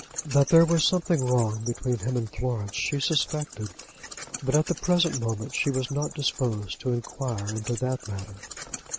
That there was something wrong between him and Florence she suspected, but at the present moment she was not disposed to inquire into that matter.